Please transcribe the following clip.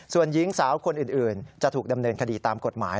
ส่วนหญิงสาวคนอื่นจะถูกดำเนินคดีตามกฎหมาย